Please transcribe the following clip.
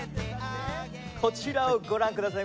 こちらをご覧ください